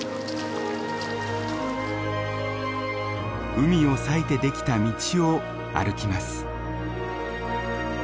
海を裂いて出来た道を歩きます。